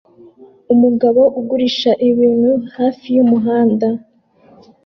Umugabo ugurisha ibintu hafi yumuhanda